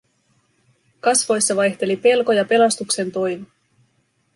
Kasvoissa vaihteli pelko ja pelastuksen toivo.